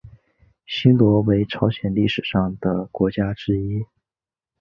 新罗为朝鲜历史上的国家之一。